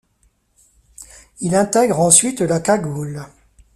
Il intègre ensuite la Cagoule.